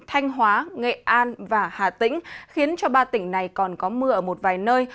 thanh hóa nghệ an và hà tĩnh khiến cho ba tỉnh này còn có mưa ở một vài nơi